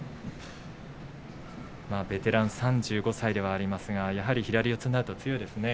ベテラン３５歳ではありますが、やはり左四つになると強いですね。